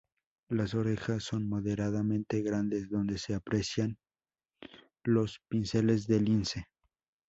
Las orejas son moderadamente grandes donde se aprecian los pinceles de lince.